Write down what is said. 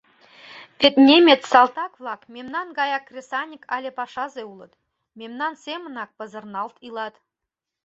Вет немец салтак-влак мемнан гаяк кресаньык але пашазе улыт, мемнан семынак пызырналт илат.